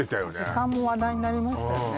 時間も話題になりましたよね